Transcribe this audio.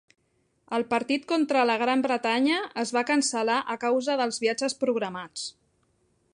El partit contra la Gran Bretanya es va cancel·lar a causa dels viatges programats.